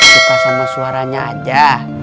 suka sama suaranya aja